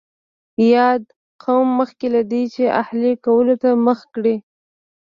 یاد قوم مخکې له دې چې اهلي کولو ته مخه کړي